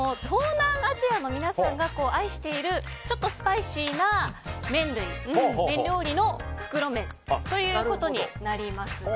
東南アジアの皆さんが愛しているちょっとスパイシーな麺料理の袋麺ということになります。